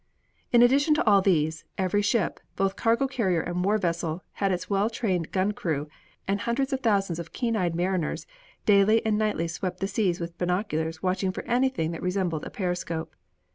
In addition to all these, every ship, both cargo carrier and war vessel, had its well trained gun crew, and hundreds of thousands of keen eyed mariners daily and nightly swept the seas with binoculars watching for anything that resembled a periscope.